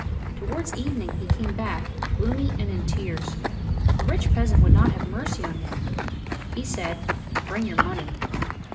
Towards evening he came back, gloomy and in tears. The rich peasant would not have mercy on him. He said, "Bring your money.''